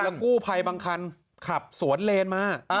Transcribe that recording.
แล้วก็กู้ภัยบางคันขับสวนเลนมา